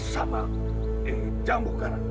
sama jambu garam